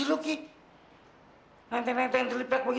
saya sudah otakan peringkat o troubesta composed